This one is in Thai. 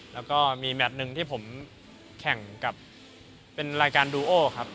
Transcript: แล้วก็มีแมทหนึ่งที่ผมแข่งกับเป็นรายการดูโอครับ